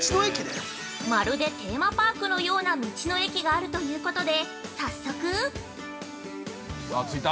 ◆まるでテーマパークのような道の駅があるということで早速◆着いた。